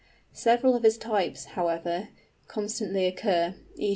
Several of his types, however, constantly occur; _e.